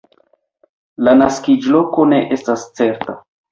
La naskiĝloko ne estas certa.